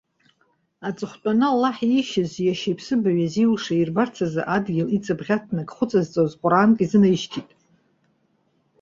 Аҵыхәтәаны Аллаҳ, иишьыз иашьа иԥсыбаҩ иазиуша иирбарц азы, адгьыл иҵабӷьаҭны ак хәыҵазҵоз ҟәраанк изынаишьҭит.